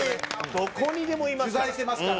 どこにでもいますから。